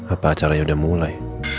apa acaranya udah mulai